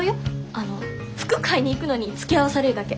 あの服買いに行くのにつきあわされるだけ。